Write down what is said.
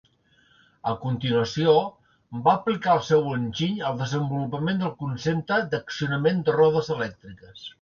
A continuació, va aplicar el seu enginy al desenvolupament del concepte d'accionament de rodes elèctriques.